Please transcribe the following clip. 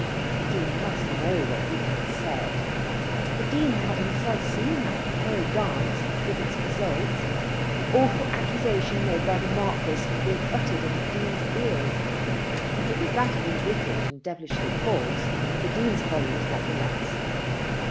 The Dean must know what people had said. The Dean had himself seen that horrid dance, with its results. The awful accusation made by the Marquis had been uttered in the Dean's ears. Because that had been wicked and devilishly false, the Dean's folly was not the less.